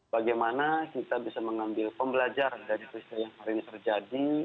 bagaimana kita bisa mengambil pembelajar dari peristiwa yang hari ini terjadi